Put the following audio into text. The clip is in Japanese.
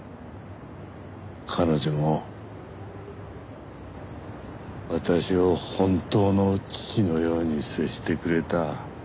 彼女も私を本当の父のように接してくれた。